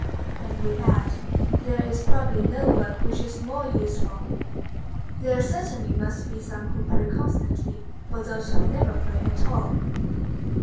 And we add: "There is probably no work which is more useful." There certainly must be some who pray constantly for those who never pray at all.